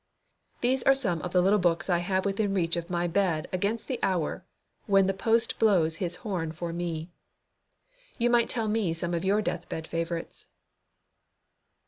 These are some of the little books I have within reach of my bed against the hour when the post blows his first horn for me. You might tell me some of your deathbed favourites.